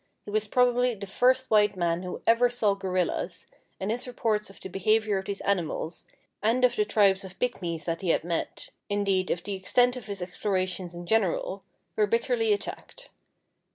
He was probably the first white man who ever saw gorillas, and his reports of the behavior of these animals, and of the tribes of pygmies that he had met, — indeed, of the extent of his ex plorations in general, — were bitterly attacked.